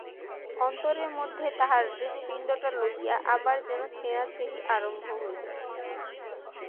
অন্তরের মধ্যে তাহার হৃৎপিণ্ডটা লইয়া আবার যেন ছেঁড়াছেঁড়ি আরম্ভ হইল।